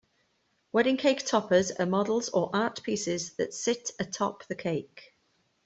Wedding cake toppers are models or art pieces that sit atop the cake.